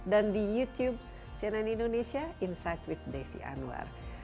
dan di youtube cnn indonesia insight with desi anwar